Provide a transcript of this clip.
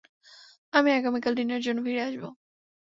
আমি আগামীকাল ডিনারের জন্য ফিরে আসব।